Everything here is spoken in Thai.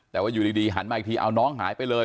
แต่ว่าอยู่ดีหันมาอีกทีเอาน้องหายไปเลย